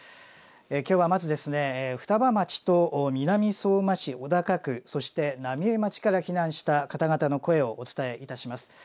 今日はまずですね双葉町と南相馬市小高区そして浪江町から避難した方々の声をお伝えいたします。